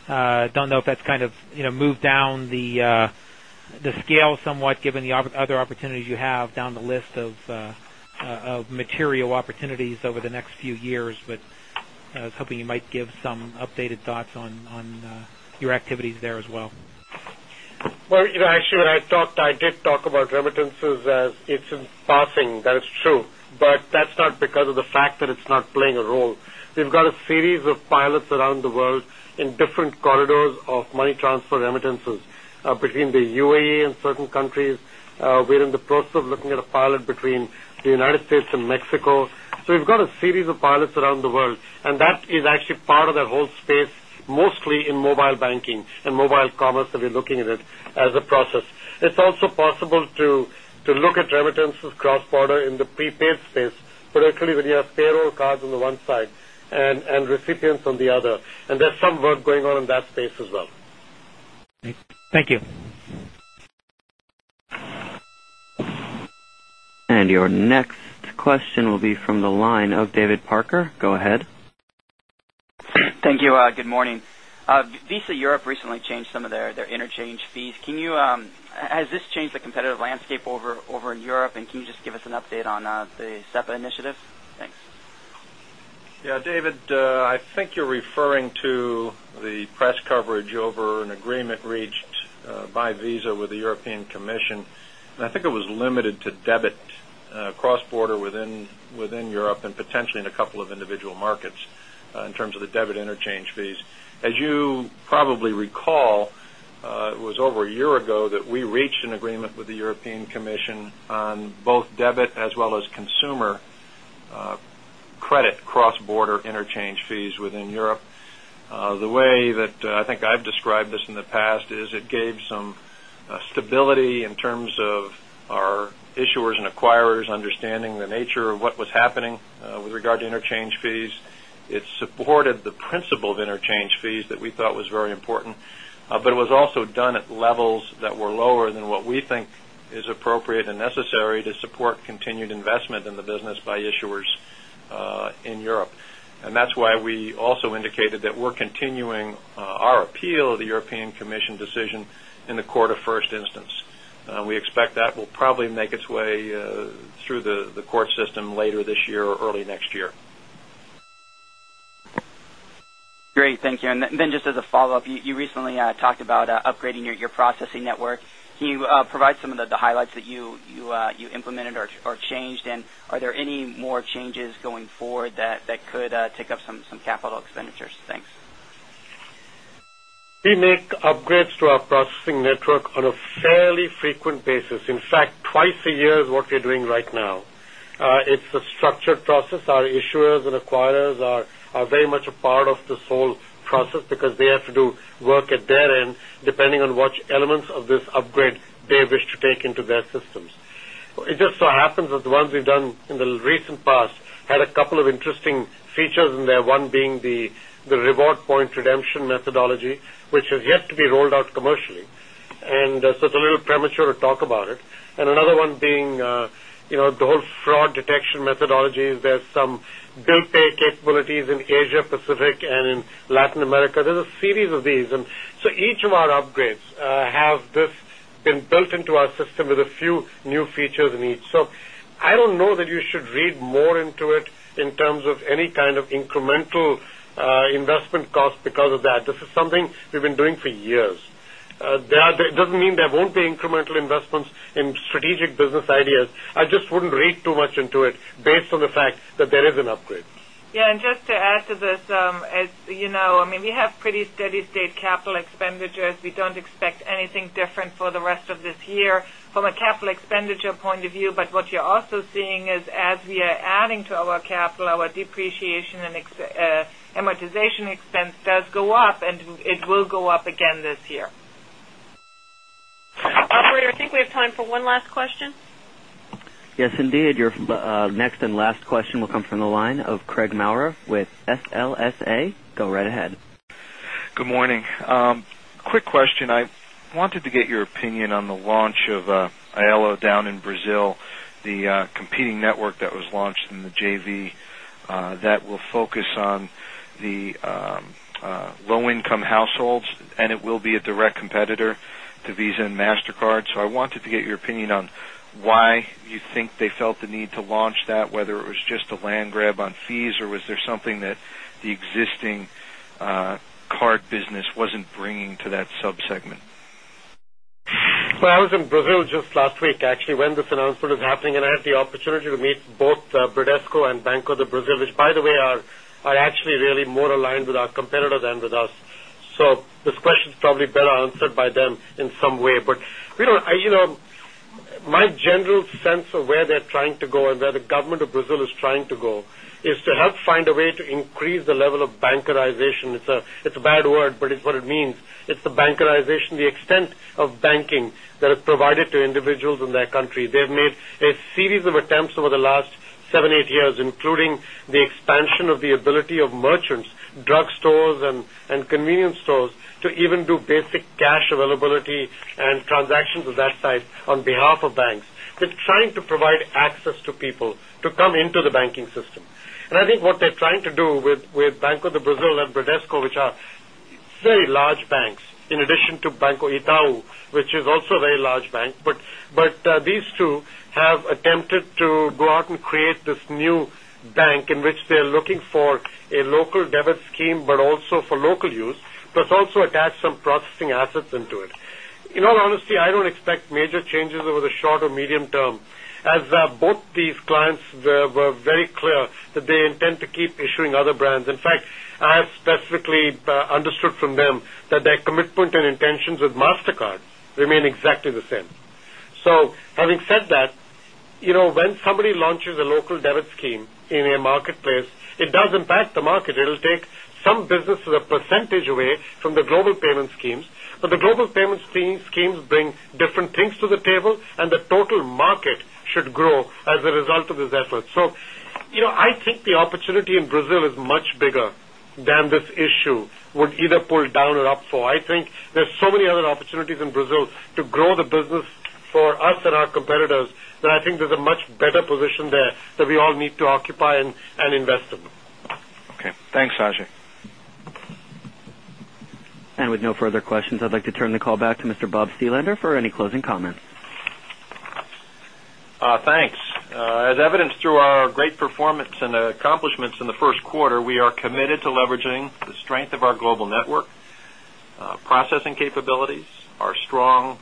don't know if that's kind of moved down the scale somewhat given the other opportunities you have down the list of material opportunities over the next few years, but I was hoping you might give some updated thoughts on your activities there as well. Well, actually, when I talked, I did talk about remittances as it's in passing, that is true, but that's not because of the fact that it's not playing a role. We've got a series of pilots around the world in different corridors of money transfer remittances between the UAE and certain countries. We're in the process of looking at a pilot between the United States and Mexico. So we've got a series of pilots around the world and that is actually part of the whole space, mostly in mobile banking and mobile commerce that we're looking at it as a process. It's also possible to look at remittances cross border in the prepaid space, particularly when you payroll cards on the one side and recipients on the other. And there's some work going on in that space as well. Thank you. And your next question will be from the line of David Parker. Go ahead. Thank you. Good morning. Visa Europe recently changed some of their interchange fees. Can you has this changed the competitive landscape over in Europe? And can you just an update on the SEPA initiative? Thanks. Yes. David, I think you're referring to The press coverage over an agreement reached by Visa with the European Commission, and I think it was limited to cross border within Europe and potentially in a couple of individual markets in terms of the debit interchange fees. As you You probably recall, it was over a year ago that we reached an agreement with the European Commission on debit as well as consumer credit cross border interchange fees within Europe. The way that I think I've described this in the asked is it gave some stability in terms of our issuers and acquirers understanding the nature of what was happening With regard to interchange fees, it supported the principle of interchange fees that we thought was very important, but it was also done at levels that lower than what we think is appropriate and necessary to support continued investment in the business by issuers in Europe. And that's why we also indicated that we're that we're continuing our appeal of the European Commission decision in the quarter first instance. We expect that will make its way through the court system later this year or early next year. Great. Thank you. And then just as a follow-up, you recently talked about upgrading your processing network. Can you provide some of the highlights that you implemented or changed? And Are there any more changes going forward that could take up some capital expenditures? Thanks. We make upgrades to our processing network on a fairly frequent basis. In fact, twice a year is what we're doing right now. It's a structured process. Issuers and acquirers are very much a part of the sole process because they have to do work at their end depending on elements of this upgrade they wish to take into their systems. It just so happens that the ones we've done in the recent past had a couple of interesting features in there, one The reward point redemption methodology, which has yet to be rolled out commercially. And so it's a little premature to talk about it. And another one The whole fraud detection methodologies, there's some bill pay capabilities in Asia Pacific and in Latin America, there's a series of these. And so each of our upgrades have this been built into our system with a few new features in each. I don't know that you should read more into it in terms of any kind of incremental investment cost because of that. This is something we've been for years. It doesn't mean there won't be incremental investments in strategic business ideas. I just wouldn't read too much into it based on the fact that there is an upgrade. Yes. And just to add to this, as you know, I mean, we have pretty steady state capital expenditures, we don't expect anything different for the rest of this year from a capital expenditure point of view, but what you're also seeing is as we are to our capital, our depreciation and amortization expense does go up and it will go up again this year. Operator, I think we have time for one last question. Yes, indeed. Your next and last question will come from line of Craig Maurer with SLSA. Go right ahead. Good morning. Quick question. I wanted to get your opinion on the launch of Aiello down in Brazil, the competing network that was launched in the JV that will focus Why you think they felt the need to launch that whether it was just a land grab on fees or was there something that the existing card business wasn't bringing to that sub segment? Well, I was in Brazil just last week actually when this announcement is happening and I had the opportunity to meet both Tesco and Banco, the Brazil, which by the way are actually really more aligned with our competitor than with us. So this question is probably better answered by them in some way. But my general sense of where they're trying to go and where the government of Brazil is trying to go is to help to individuals in their country. They've made a series of attempts over the last 7, 8 years, including the expansion of the ability of merchants, stores and convenience stores to even do basic cash availability and transactions of that site on behalf of banks. They're trying to provide access to people to come into the banking system. And I think what they're trying to do with Banco DO Brazil and Bradesco, which are very large banks in addition to Banco Itau, which is also a very large bank. But these 2 have use, plus also attach some processing assets into it. In all honesty, I don't expect major changes over the short or medium term as Both these clients were very clear that they intend to keep issuing other brands. In fact, I have specifically understood from them that their commitment Tensions with Mastercard remain exactly the same. So having said that, when somebody launches a local debit scheme in a marketplace, it does impact the market, it will take some business as a percentage away from the global payment schemes, but the global payment schemes bring different things to the table and the total market should grow as a result of this effort. So I think the opportunity in Brazil is much bigger than I think there's a much better position there that we all need to occupy and invest. Okay. Thanks, Ajay. And with further questions, I'd like to turn the call back to Mr. Bob Steelander for any closing comments. Thanks. As evidenced through our great performance and in the Q1, we are committed to leveraging the strength of our global network, processing capabilities, our strong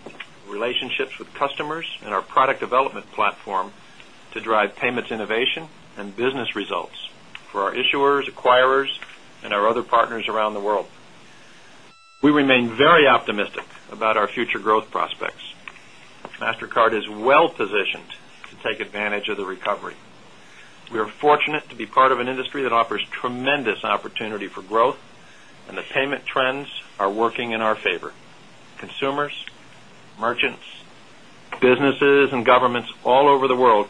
relationship with customers and our product development platform to drive payments innovation and business results for our issuers, acquirers and our other partners around the world. We remain very optimistic about our future growth prospects. Mastercard is well positioned to take advantage of the recovery. We are fortunate to be part of an industry that offers tremendous for growth and the payment trends are working in our favor. Consumers, merchants, businesses and governments all over the world